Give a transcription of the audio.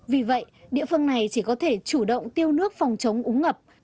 vì vậy địa phương này chỉ có thể chủ động tiêu nước phòng chống úng ngập